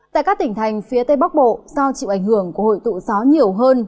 tại các tỉnh thành phía tây bắc bộ do chịu ảnh hưởng của hội tụ gió nhiều hơn